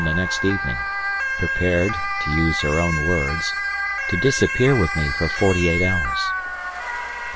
the next evening, prepared, to use her own words, "to disappear with me for 48 hours."